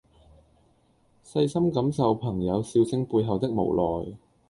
細心感受朋友笑聲背後的無奈